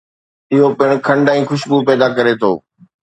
اهو پڻ کنڊ ۽ خوشبو پيدا ڪري ٿو